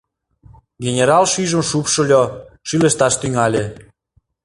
Генерал шӱйжым шупшыльо, шӱлешташ тӱҥале.